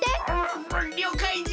りょうかいじゃ。